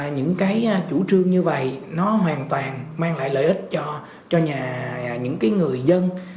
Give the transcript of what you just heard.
những cái chủ trương như vậy nó hoàn toàn mang lại lợi ích cho những người dân